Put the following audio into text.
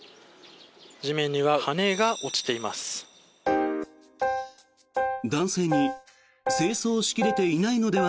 地面には羽根が落ちています。